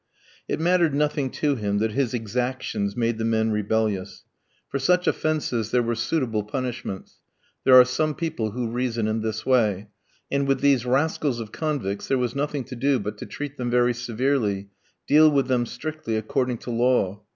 It mattered nothing to him that his exactions made the men rebellious. For such offences there were suitable punishments (there are some people who reason in this way), and with these rascals of convicts there was nothing to do but to treat them very severely, deal with them strictly according to law.